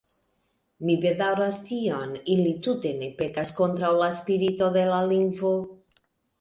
Mi bedaŭras tion: ili tute ne pekas kontraŭ la spirito de la lingvo.